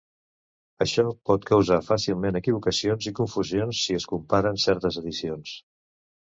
Això pot causar fàcilment equivocacions i confusions si es comparen certes edicions.